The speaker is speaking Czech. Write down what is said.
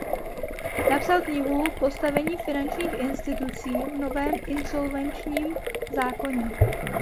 Napsal knihu "Postavení finančních institucí v novém insolvenčním zákoně".